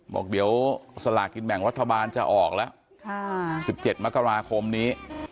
บอกเดี๋ยวสลากกินแบ่งรัฐบาลจะออกแล้ว๑๗มกราคมนี้